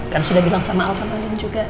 kan sudah bilang sama al sama alin juga